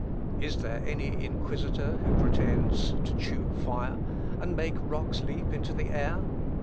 Is there any inquisitor who pretends to chew fire, and make rocks leap into the air?